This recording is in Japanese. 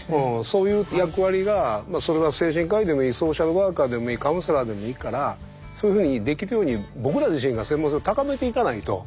そういう役割がそれは精神科医でもいいソーシャルワーカーでもいいカウンセラーでもいいからそういうふうにできるように僕ら自身が専門性を高めていかないと。